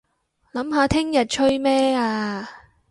諗下聽日吹咩吖